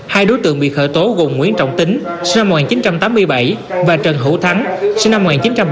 hai đối tượng bị khởi tố gồm nguyễn trọng tính sinh năm một nghìn chín trăm tám mươi bảy và trần hữu thắng sinh năm một nghìn chín trăm bảy mươi